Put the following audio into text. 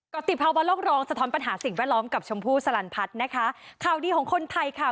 กรติภาวะโลกรองสะท้อนปัญหาสิ่งแวดล้อมกับชมพู่สลันพัฒน์นะคะข่าวดีของคนไทยค่ะ